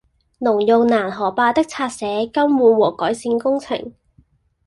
農用攔河壩的拆卸、更換和改善工程